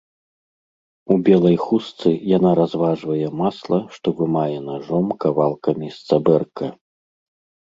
У белай хустцы яна разважвае масла, што вымае нажом кавалкамі з цабэрка.